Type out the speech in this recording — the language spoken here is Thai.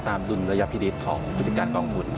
ตามดุลระยะพินิษฐ์ของผู้จัดการกองทุน